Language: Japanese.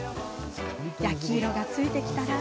焼き色がついてきたら。